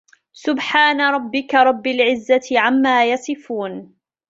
سُبْحَانَ رَبِّكَ رَبِّ الْعِزَّةِ عَمَّا يَصِفُونَ